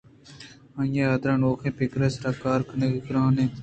آئی ءِ حاترا نوکیں پگرے ءِ سرا کار کنگ گرٛان اَت